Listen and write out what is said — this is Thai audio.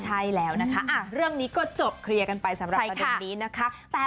ใช่แล้วนะคะเรื่องนี้ก็จบเคลียร์กันไปสำหรับประเด็นนี้นะคะ